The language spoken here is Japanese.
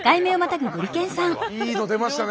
いいの出ましたね。